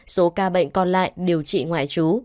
số ca bệnh còn lại điều trị ngoại trú